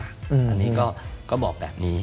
อันนี้ก็บอกแบบนี้